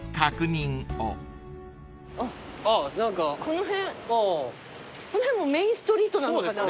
この辺もうメインストリートなのかな？